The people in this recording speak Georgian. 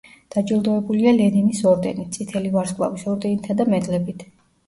დაჯილდოებულია ლენინის ორდენით, წითელი ვარსკვლავის ორდენითა და მედლებით.